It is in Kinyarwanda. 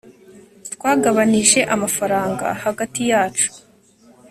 twagabanije amafaranga hagati yacu